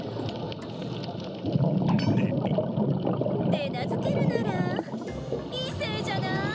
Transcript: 手なずけるなら異性じゃなぁい？